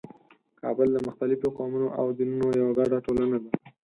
کابل د مختلفو قومونو او دینونو یوه ګډه ټولنه ده.